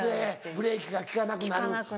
ブレーキが利かなくなる。